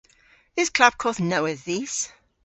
Eus klapkodh nowydh dhis?